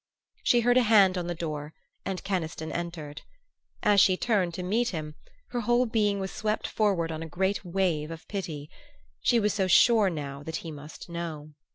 She heard a hand on the door and Keniston entered. As she turned to meet him her whole being was swept forward on a great wave of pity: she was so sure, now, that he must know.